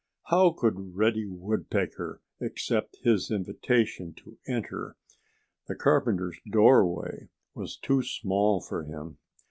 How could Reddy Woodpecker accept his invitation to enter? The carpenter's doorway was too small for him.